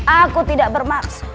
aku tidak bermaksud